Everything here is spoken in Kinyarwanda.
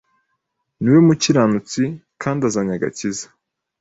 niwe mukiranutsi kandi azanye agakiza